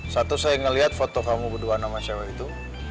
satu saya ngeliat foto kamu berdua sama cewek itu